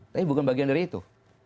tapi bukan bagian dari itu